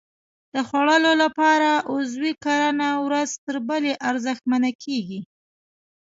د خوړو لپاره عضوي کرنه ورځ تر بلې ارزښتمنه کېږي.